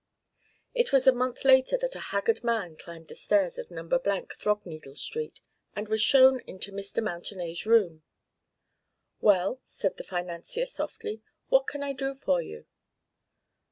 It was a month later that a haggard man climbed the stairs of No. , Throgneedle Street, and was shown into Mr. Mountenay's room. "Well," said the financier softly, "what can I do for you?"